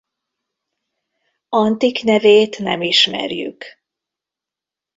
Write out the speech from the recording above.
Antik nevét nem ismerjük.